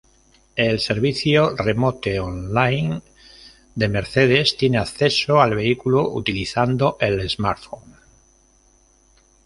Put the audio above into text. El servicio "Remote Online" de Mercedes tiene acceso al vehículo utilizando el "smartphone".